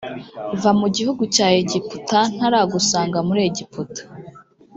va mu gihugu cya egiputa ntaragusanga muri egiputa